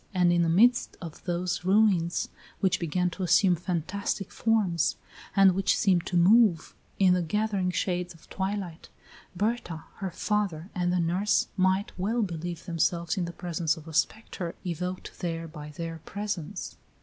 And in the midst of those ruins, which began to assume fantastic forms, and which seemed to move, in the gathering shades of twilight, Berta, her father, and the nurse might well believe themselves in the presence of a spectre evoked there by their presence.